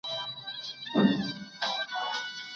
د هلک والدينو د نجلۍ مور ته پېغور نه ورکړ.